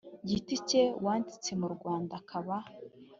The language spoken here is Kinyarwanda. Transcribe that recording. giti cye wanditse mu Rwanda akaba